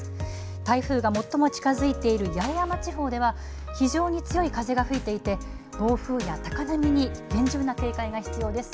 台風が最も近づいている八重山地方では非常に強い風が吹いていて暴風や高波に厳重な警戒が必要です。